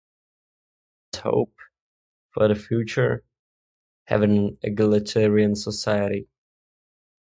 To hope, for the future. Have an egalitarian society.